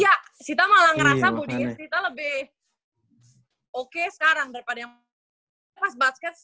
iya sita malah ngerasa budi sita lebih oke sekarang daripada yang pas basket